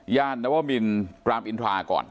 ย่านนัวว่าวินกรามอินทราก่อน